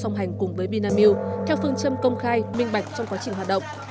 song hành cùng với vinamilk theo phương châm công khai minh bạch trong quá trình hoạt động